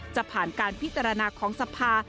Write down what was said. จะผ่านการพิจารณาของสภา